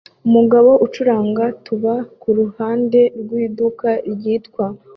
Umugabo acuranga tuba kuruhande rwiduka ryitwa